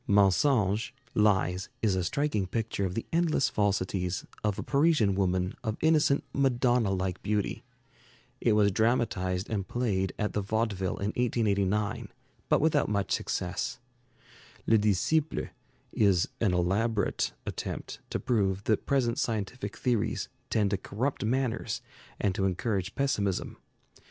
'Mensonges' (Lies) is a striking picture of the endless falsities of a Parisian woman of innocent Madonna like beauty. It was dramatized and played at the Vaudeville in 1889, but without much success. 'Le Disciple' is an elaborate attempt to prove that present scientific theories tend to corrupt manners and to encourage pessimism.